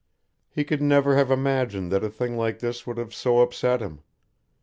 He could never have imagined that a thing like that would have so upset him.